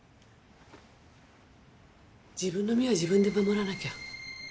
自分の身は自分で守らなきゃ。